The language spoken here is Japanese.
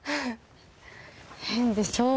変でしょ